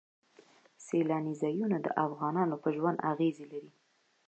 سیلاني ځایونه د افغانانو په ژوند اغېزې لري.